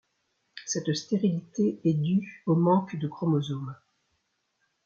Cette stérilité est dû au manque de chromosomes.